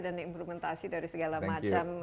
dan implementasi dari segala macam